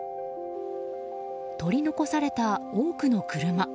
取り残された多くの車。